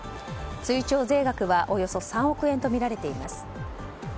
追徴税額はおよそ３億円とみられています。